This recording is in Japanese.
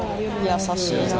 優しいな。